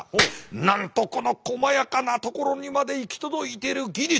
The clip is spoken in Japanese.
なんとこのこまやかなところにまで行き届いてる技術関の町の技術。